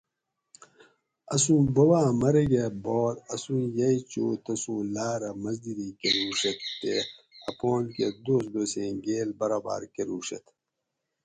اسوں بوباۤں مرگہ بعد اسوں یئی چو تسوں لاۤرہ مزدیری کۤروڛیت تے اپان کہ دوس دوسیں گیل برابر کۤروڛیت